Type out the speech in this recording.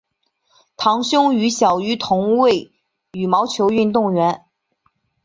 堂兄于小渝同为羽毛球运动员。